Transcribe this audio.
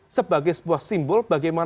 ini adalah panggung yang diberikan